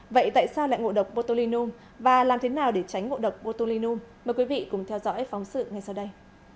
vậy tại sao lại ngộ độc botulinum và làm thế nào để tránh ngộ độc botulinum mời quý vị cùng theo dõi phóng sự ngay sau đây